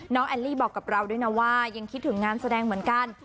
แอลลี่บอกกับเราด้วยนะว่ายังคิดถึงงานแสดงเหมือนกัน